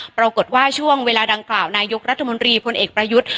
ปรากฏว่าช่วงเวลาดังกล่าวนายกรัฐมนตรีพลเอกประยุทธ์